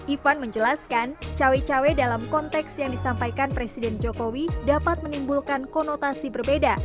ivan menjelaskan cawe cawe dalam konteks yang disampaikan presiden jokowi dapat menimbulkan konotasi berbeda